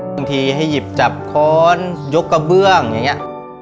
บางทีให้หยิบจับค้อนยกกระเบื้องอย่างนี้